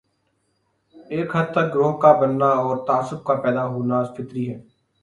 ایک حد تک گروہ کا بننا اور تعصب کا پیدا ہونا فطری ہے۔